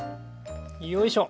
よいしょ。